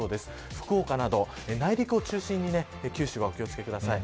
福岡など、内陸を中心に九州はお気を付けください。